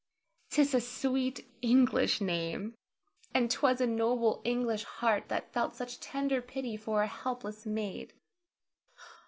'tis a sweet English name, and 'twas a noble English heart that felt such tender pity for a helpless maid.